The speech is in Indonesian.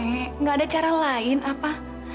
tidak ada cara lain apa